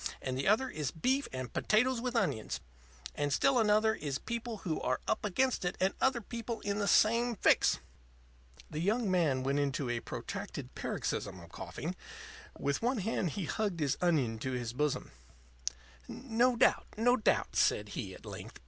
And the other one is beef and potatoes with onions. And still another one is people who are up against it and other people in the same fix." The young man went into a protracted paroxysm of coughing. With one hand he hugged his onion to his bosom. "No doubt; no doubt," said he, at length.